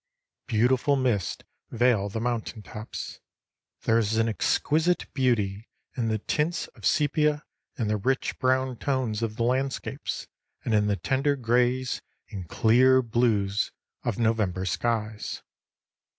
Beautiful mists veil the mountain tops. There is an exquisite beauty in the tints of sepia and the rich brown tones of the landscapes and in the tender grays and clear blues of November skies.